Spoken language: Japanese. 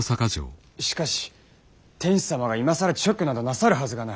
しかし天子様が今更勅許などなさるはずがない。